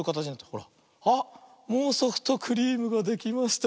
もうソフトクリームができました。